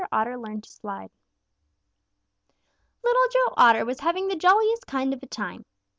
OTTER LEARNED TO SLIDE Little Joe Otter was having the jolliest kind of a time.